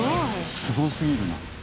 すごすぎるな。